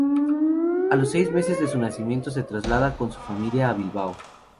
A los seis meses de su nacimiento se traslada con su familia a Bilbao.